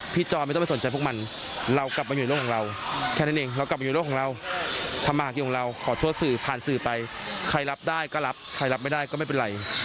กว่าอันเดือนสองเดือนก็หมดแหละ